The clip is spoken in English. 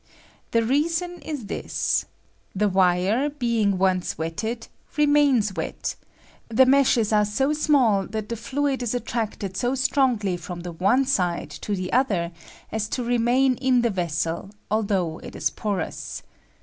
The reason is this : the wire, being once wetted, remains wet ; the meshes are so small that the fluid ia at tracted so strongly from the one side to the other as to remain in the vessel, although it is porous.